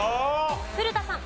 古田さん。